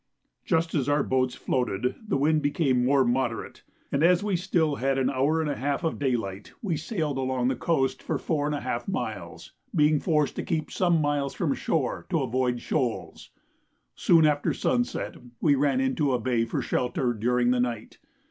Just as our boats floated, the wind became more moderate; and as we had still an hour and a half of daylight, we sailed along the coast for 4½ miles, being forced to keep some miles from shore to avoid shoals. Soon after sunset we ran into a bay for shelter during the night.